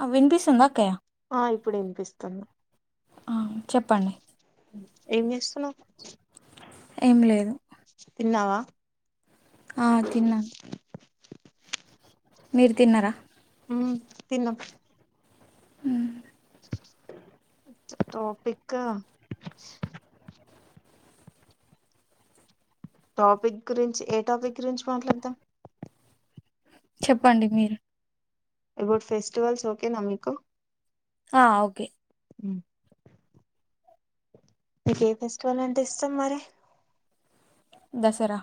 అ విన్పిస్సుంద అక్కయ ఆ ఇప్పుడు ఇన్పిస్తుంది ఆ చెప్పండి ఏం చేస్తున్నావ్ ఏం లేదు తిన్నావా ఆ తిన్నా మీరు తిన్నరా ఊ తిన్నం హు టాపిక్క్ టాపిక్ గురించి ఏ టాపిక్ గురించి మాట్లాడతాం చెప్పండి మీరే ఇబుడ్ ఫెస్టివల్స్ ఓకే న మీకు ఆ ఓకే ఉ మీకు ఏ ఫెస్టివల్ అంటే ఇస్టం మరి దసరా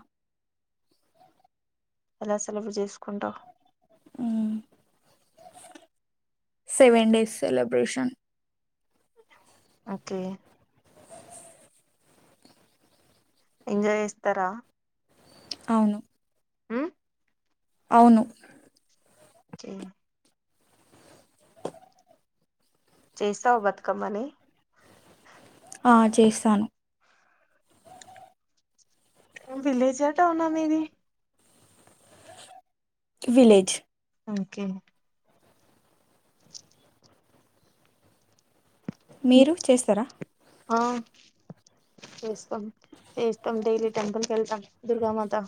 ఎలా సెలబ్రె జేస్ ఊ seven days celebration okay enjoy ఏస్తరా అవును ఉ అవును చే చేస్తావు బతుకమ్మని ఆ చేస్తాను. ఏమ్ విల్లేజా టౌనా మీది. విలేజ్ ఓకే మీరు చేస్తరా. ఆ చేస్తాం చేస్తాం డైలీ టెంపుల్ కేళ్తాం దుర్గామాతా.